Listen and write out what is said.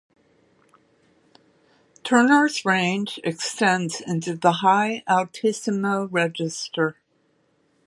Turner's range extends into the high altissimo register.